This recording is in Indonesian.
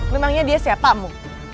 memangnya dia siapa mu